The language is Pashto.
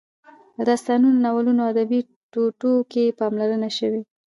په داستانونو، ناولونو او ادبي ټوټو کې پاملرنه شوې.